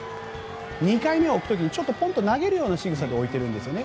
２回目置く時にポンと投げるようなしぐさで置いているんですね。